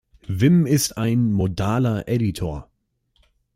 Vim ist ein "modaler Editor".